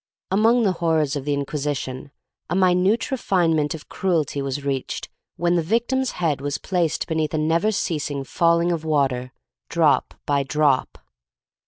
Among the horrors of the Inquisi tion, a minute refinement of cruelty was reached when the victim's head was placed beneath a never ceasing falling of water, drop by drop.